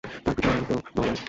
তার পিতার মৃত নবাব আলী।